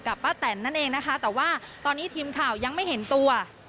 ป้าแตนนั่นเองนะคะแต่ว่าตอนนี้ทีมข่าวยังไม่เห็นตัว